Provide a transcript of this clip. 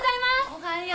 おはよう！